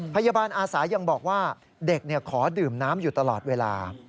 อาสายังบอกว่าเด็กขอดื่มน้ำอยู่ตลอดเวลา